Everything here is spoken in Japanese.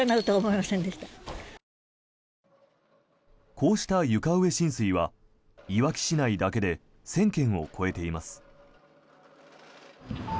こうした床上浸水はいわき市内だけで１０００軒を超えています。